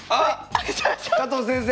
加藤先生！